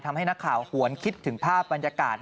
ทำให้นักข่าวหวนคิดถึงภาพบรรยากาศ